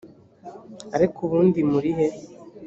ariko ubundi murihe